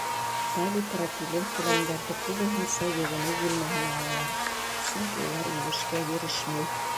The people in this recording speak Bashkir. Полипропилен келәмдәрҙе күбеһенсә йыуыныу бүлмәһенә алалар, сөнки улар еүешкә бирешмәй.